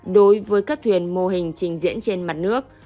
đối với các thuyền mô hình trình diễn trên mặt nước